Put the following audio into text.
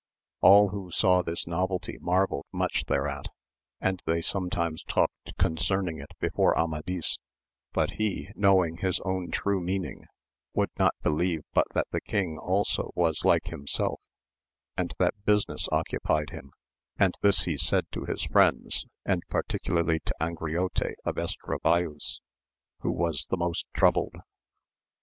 All who saw this novelty marvelled much thereat, and they sometimes talked concerning it before Amadis, but he knowing his own true meaning would not believe but that the king also was like himself, and that business occupied him, and this he said to his friends, and particularly to Angriote of Estravaus, who was the most troubled.